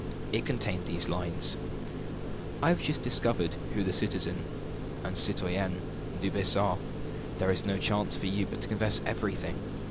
It contained these lines: "I have just discovered who the citizen and citoyenne Dubois are. There is no chance for you but to confess everything.